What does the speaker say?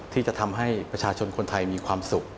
ที่จะทำให้ประชาชนคนไทยมีความสุข